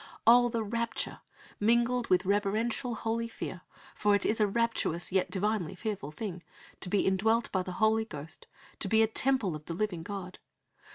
Oh, the rapture mingled with reverential, holy fear for it is a rapturous, yet divinely fearful thing to be indwelt by the Holy Ghost, to be a temple of the Living God!